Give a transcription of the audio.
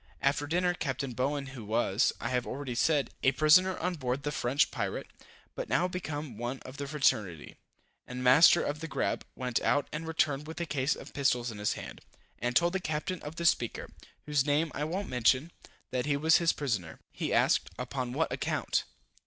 After dinner, Capt. Bowen, who was, I have already said, a prisoner on board the French pirate, but now become one of the fraternity, and master of the grab, went out, and returned with a case of pistols in his hand, and told the Captain of the Speaker, whose name I won't mention, that he was his prisoner. He asked, upon what account?